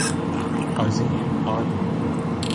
عظیم آدمی